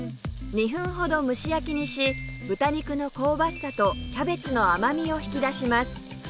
２分ほど蒸し焼きにし豚肉の香ばしさとキャベツの甘みを引き出します